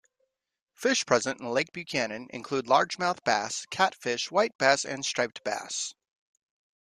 Fish present in Lake Buchanan include largemouth bass, catfish, white bass, and striped bass.